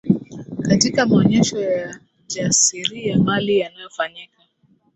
katika maonyesho yajasiria mali yanayofanyika